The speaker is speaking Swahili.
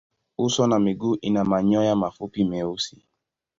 Uso na miguu ina manyoya mafupi meusi.